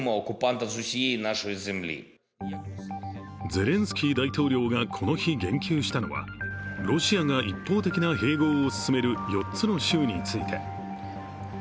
ゼレンスキー大統領がこの日言及したのはロシアが一方的な併合を進める４つの州について。